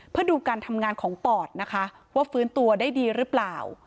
เพื่อดูการทำงานของปอดนะคะว่าฟื้นตัวได้ดีหรือเปล่า